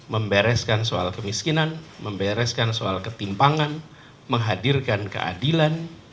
membereskan soal kemiskinan membereskan soal ketimpangan menghadirkan keadilan